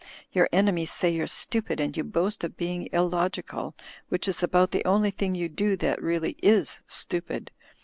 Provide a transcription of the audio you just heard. Your enemies say you're stupid, and you boast of being illogical — which is about the only thing you do that really is stupid.